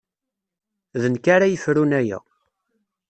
D nekk ara yefrun aya.